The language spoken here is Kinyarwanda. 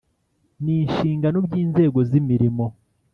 N’inshingano by’inzego z’imirimo.